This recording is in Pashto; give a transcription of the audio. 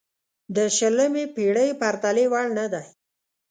د شلمې پېړۍ پرتلې وړ نه دی.